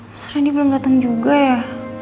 mas rendy belum datang juga ya